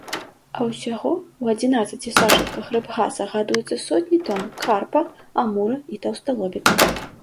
А ўсяго ў адзінаццаці сажалках рыбгаса гадуецца сотні тон карпа, амура і таўсталобіка.